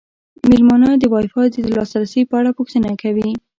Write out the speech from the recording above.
میلمانه د وای فای د لاسرسي په اړه پوښتنه کوي.